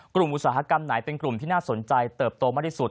อุตสาหกรรมไหนเป็นกลุ่มที่น่าสนใจเติบโตมากที่สุด